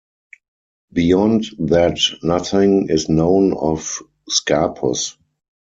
Beyond that, nothing is known of Scarpus.